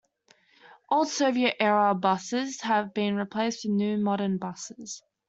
Old Soviet-era buses have been replaced with new modern buses.